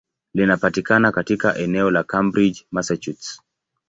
Linapatikana katika eneo la Cambridge, Massachusetts.